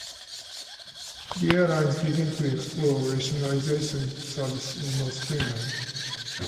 The airlines began to explore rationalising services in North Queensland.